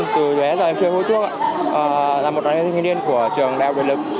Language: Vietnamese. từ bé giờ em chơi hút thuốc là một đoàn học sinh viên của trường đại học đội lực